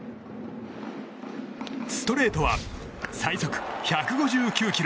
ストレートは最速１５９キロ。